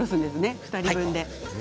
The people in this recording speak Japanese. ２人分で。